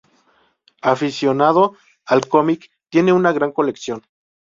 Aficionado al cómic, tiene una gran colección.